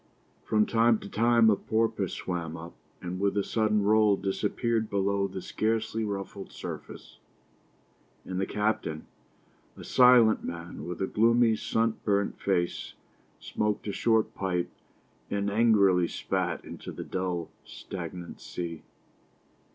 From time to time a porpoise swam up, and with a sudden roll disappeared below the scarcely ruffled surface. And the captain, a silent man with a gloomy, sunburnt face, smoked a short pipe and angrily spat into the dull, stagnant sea.